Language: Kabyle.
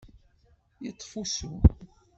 Yeṭṭef usu.